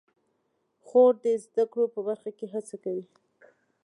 خور د زده کړو په برخه کې هڅه کوي.